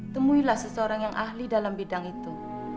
temuilah seseorang yang ahli dalam bidang itu